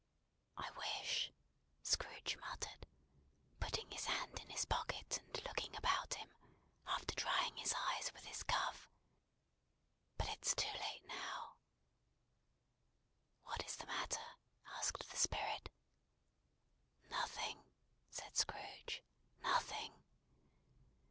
"I wish," Scrooge muttered, putting his hand in his pocket, and looking about him, after drying his eyes with his cuff: "but it's too late now." "What is the matter?" asked the Spirit. "Nothing," said Scrooge. "Nothing.